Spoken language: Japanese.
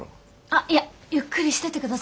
あっいやゆっくりしてって下さいよ。